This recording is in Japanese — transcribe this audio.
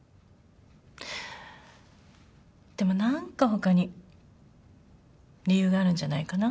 でも何か他に理由があるんじゃないかな？